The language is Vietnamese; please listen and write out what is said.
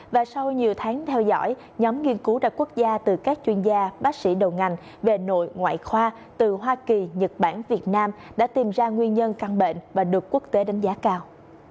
và sau nhiều tháng theo dõi nhóm nghiên cứu đặt quốc gia từ các chuyên gia bác sĩ đầu ngành về nội ngoại khoa từ hoa kỳ nhật bản việt nam đã tìm ra nguyên nhân căn bệnh và được quốc tế đánh giá cao